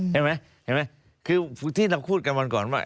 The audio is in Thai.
เห็นไหมเห็นไหมคือที่เราพูดกันวันก่อนว่า